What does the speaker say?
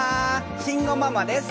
慎吾ママです！